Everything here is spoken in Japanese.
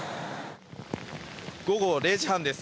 午後０時半です。